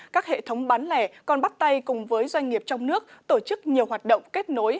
các hệ thống bán lẻ còn bắt tay cùng với doanh nghiệp trong nước tổ chức nhiều hoạt động kết nối